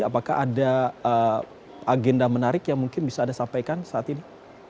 apakah ada agenda menarik yang mungkin bisa anda sampaikan saat ini